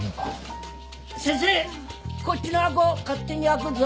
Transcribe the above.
先生こっちの箱勝手に開くっぞ。